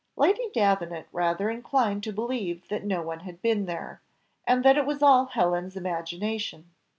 Lady Davenant rather inclined to believe that no one had been there, and that it was all Helen's imagination.